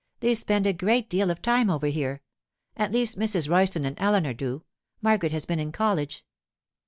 They spend a great deal of time over here—at least Mrs. Royston and Eleanor do. Margaret has been in college.